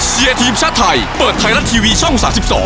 เชียร์ทีมชาติไทยเปิดไทยรัฐทีวีช่อง๓๒